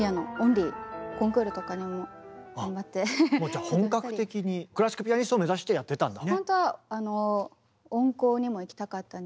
じゃあ本格的にクラシックピアニストを目指してやってたんだね。